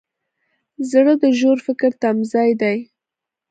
زړه د ژور فکر تمځای دی.